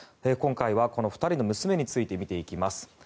今回はこの２人の娘について見ていきます。